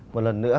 một lần nữa